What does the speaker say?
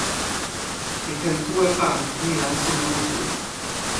mi ken tu e pan. ni la sina moku.